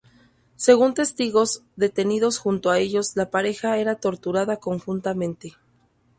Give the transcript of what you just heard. Según testigos, detenidos junto a ellos, la pareja era torturada conjuntamente.